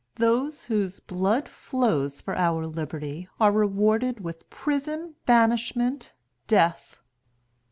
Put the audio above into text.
Those whose blood flows for our liberty are rewarded with prison, banishment, death.